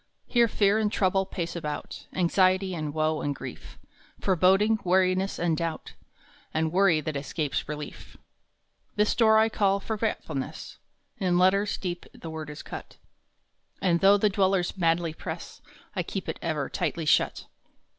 Here Fear and Trouble pace about ; Anxiety and Woe and Grief; Foreboding, Weariness, and Doubt, And Worry that escapes relief. This door I call " Forgetfulness " In letters deep the word is cut And though the dwellers madly press, I keep it ever tightly shut.